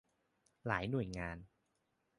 หลายหน่วยงาน